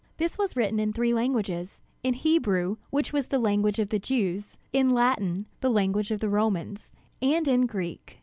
This was written in three languages; in Hebrew, which was the language of the Jews; in Latin, the language of the Romans, and in Greek.